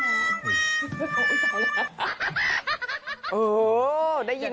ได้ยินไหมคะหญิง